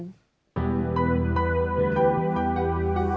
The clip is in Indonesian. kalau wahyu mau pamit